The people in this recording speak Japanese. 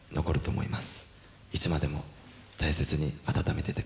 いつまでも大切に温めていてください。